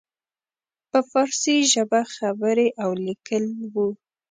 په فارسي ژبه خبرې او لیکل وو.